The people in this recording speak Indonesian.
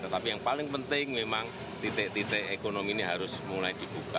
tetapi yang paling penting memang titik titik ekonomi ini harus mulai dibuka